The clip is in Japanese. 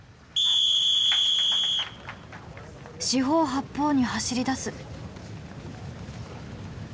四方八方に走りだす。